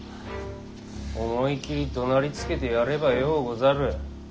思い切りどなりつけてやればようござる。